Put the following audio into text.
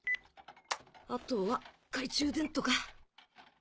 あとは懐中電灯か。